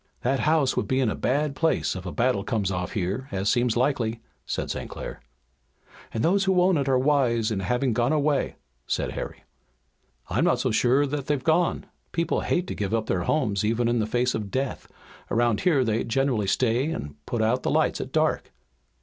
"That house would be in a bad place if a battle comes off here, as seems likely," said St. Clair. "And those who own it are wise in having gone away," said Harry. "I'm not so sure that they've gone. People hate to give up their homes even in the face of death. Around here they generally stay and put out the lights at dark."